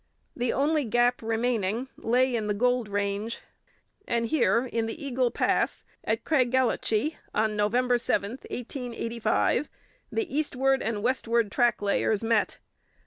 The only gap remaining lay in the Gold Range, and here in the Eagle Pass, at Craigellachie, on November 7, 1885, the eastward and westward track layers met.